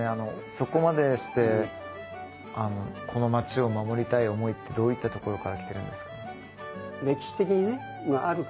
そこまでしてこの町を守りたい思いってどういったところから来てるんですか？